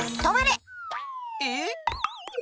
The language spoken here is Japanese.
えっ？